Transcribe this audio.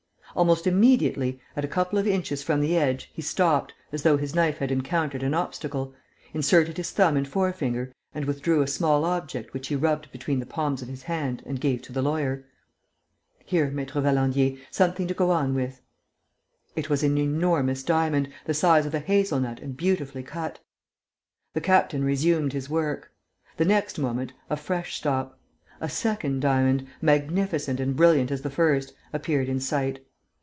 Almost immediately, at a couple of inches from the edge, he stopped, as though his knife had encountered an obstacle, inserted his thumb and forefinger and withdrew a small object which he rubbed between the palms of his hands and gave to the lawyer: "Here, Maître Valandier. Something to go on with." It was an enormous diamond, the size of a hazelnut and beautifully cut. The captain resumed his work. The next moment, a fresh stop. A second diamond, magnificent and brilliant as the first, appeared in sight.